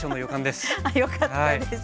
よかったです。